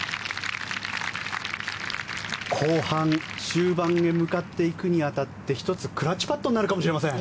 後半、終盤へ向かっていくに当たって１つ、クラッチパットになるかもしれません。